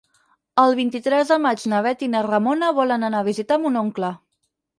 El vint-i-tres de maig na Bet i na Ramona volen anar a visitar mon oncle.